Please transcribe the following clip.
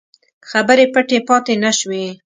خبرې پټې پاته نه شوې.